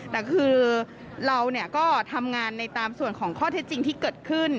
แต่คือเราก็ทำงานในตามส่วนของข้อเท็จจริงที่เกิดขึ้น